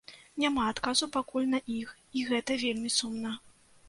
Няма адказу пакуль на іх, і гэта вельмі сумна.